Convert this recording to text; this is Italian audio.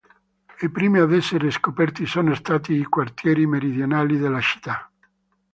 I primi ad essere scoperti sono stati i quartieri meridionali della città.